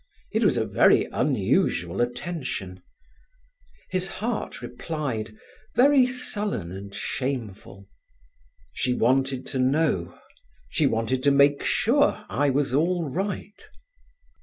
It was a very unusual attention. His heart replied, very sullen and shameful: "She wanted to know; she wanted to make sure I was all right."